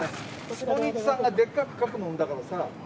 スポニチさんがでっかく書くもんだからさ。